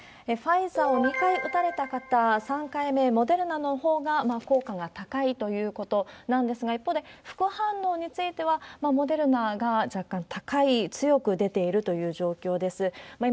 ファイザーを２回打たれた方、３回目、モデルナのほうが効果が高いということなんですが、一方で、副反応については、モデルナが若干高い、強く出ているという状況です。